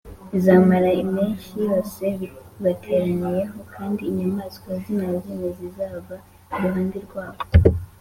bizamara impeshyi yose bibateraniyeho kandi inyamaswa zinkazi ntizizava iruhande rwabo